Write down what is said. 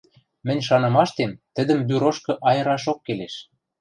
— Мӹнь шанымаштем, тӹдӹм бюрошкы айырашок келеш.